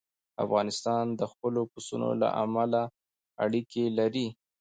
افغانستان د خپلو پسونو له امله اړیکې لري.